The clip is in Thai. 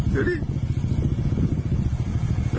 เดี๋ยวดิ